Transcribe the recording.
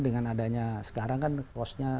dengan adanya sekarang kan kosnya